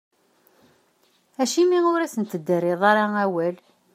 Acimi ur asent-d-terriḍ ara awal?